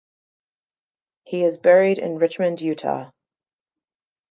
He is buried in Richmond, Utah.